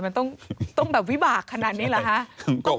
มันต้องวิบากขนาดนี้หรือ